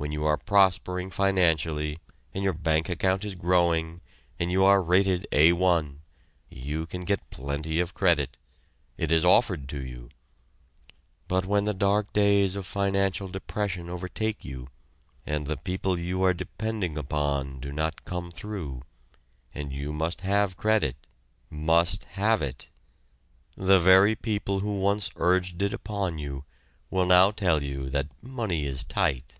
When you are prospering financially and your bank account is growing and you are rated A1, you can get plenty of credit it is offered to you; but when the dark days of financial depression overtake you, and the people you are depending upon do not "come through," and you must have credit must have it! the very people who once urged it upon you will now tell you that "money is tight!"